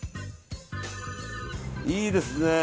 いいですね。